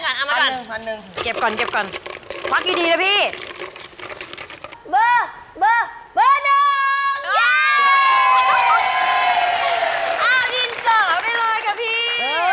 เอาดินเสาร์ไปเลยกันพี่